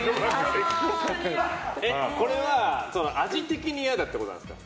これは、味的に嫌だってことですか？